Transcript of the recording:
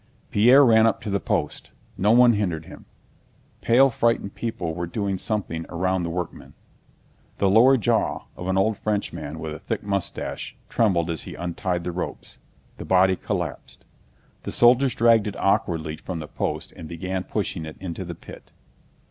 Pierre ran up to the post. No one hindered him. Pale, frightened people were doing something around the workman. The lower jaw of an old Frenchman with a thick mustache trembled as he untied the ropes. The body collapsed. The soldiers dragged it awkwardly from the post and began pushing it into the pit.